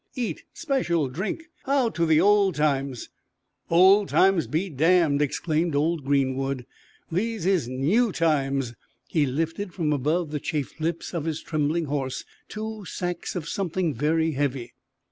Eat. Special, drink. How to the old times!" "Old times be damned!" exclaimed Old Greenwood. "These is new times." He lifted from above the chafed hips of his trembling horse two sacks of something very heavy.